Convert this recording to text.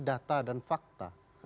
data dan fakta